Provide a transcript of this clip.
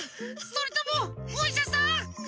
それともおいしゃさん？